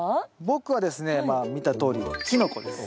僕はですねまあ見たとおりキノコです。